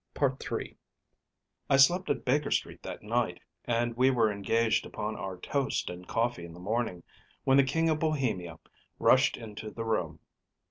‚ÄĚ III. I slept at Baker Street that night, and we were engaged upon our toast and coffee in the morning when the King of Bohemia rushed into the room.